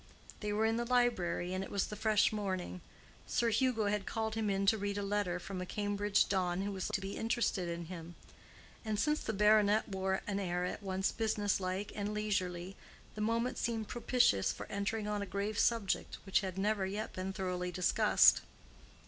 They were in the library, and it was the fresh morning. Sir Hugo had called him in to read a letter from a Cambridge Don who was to be interested in him; and since the baronet wore an air at once business like and leisurely, the moment seemed propitious for entering on a grave subject which had never yet been thoroughly discussed.